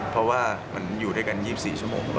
เพราะว่ามันอยู่ด้วยกัน๒๔ชั่วโมง